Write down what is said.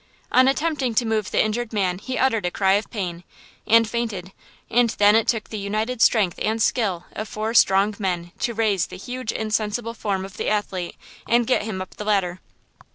On attempting to move the injured man he uttered a cry of pain, and fainted, and then it took the united strength and skill of four strong men to raise the huge insensible form of the athlete, and get him up the ladder.